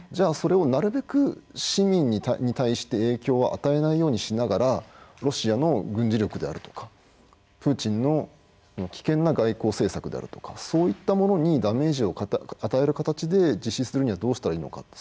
それをなるべく市民に対して影響を与えないようにしながらロシアの軍事力であるとかプーチンの危険な外交政策であるとかそういったものにダメージを与える形で実施するにはどうしたらいいのか。